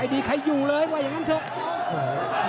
ดีใครอยู่เลยว่าอย่างนั้นเถอะ